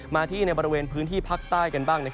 มาที่ในบริเวณพื้นที่ภาคใต้กันบ้าง